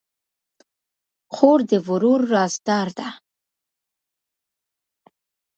خور د ورور رازدار ده.